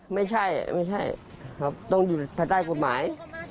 ไม่ใช่ไม่ใช่ครับต้องอยู่ภายใต้กฎหมาย